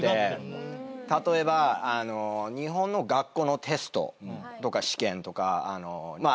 例えば日本の学校のテストとか試験とか。